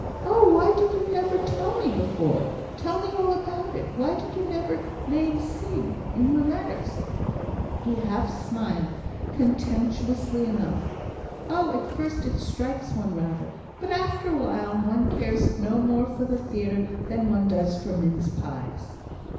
Oh, why did you never tell me before? Tell me all about it! Why did you never name seeing in your letters?" He half smiled, contemptuously enough. "Oh! at first it strikes one rather, but after a while one cares no more for the theatre than one does for mince pies."